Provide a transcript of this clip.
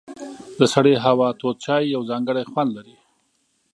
د سړې هوا تود چای یو ځانګړی خوند لري.